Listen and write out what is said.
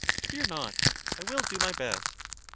Fear not ; I will do my best.